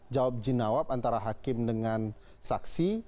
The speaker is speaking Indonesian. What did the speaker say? jawab jinawab antara hakim dengan saksi